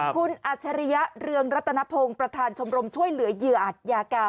คุณอัจฉริยะเรืองรัตนพงศ์ประธานชมรมช่วยเหลือเหยื่ออัตยากรรม